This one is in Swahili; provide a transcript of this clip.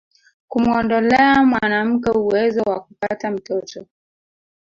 kumuondolea mwanamke uwezo wa kupata mtoto